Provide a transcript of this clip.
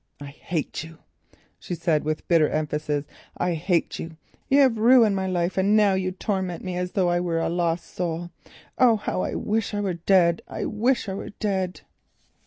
"I hate you," she said, with bitter emphasis. "I hate you. You have ruined my life, and now you torment me as though I were a lost soul. Oh, I wish I were dead! I wish I were dead!"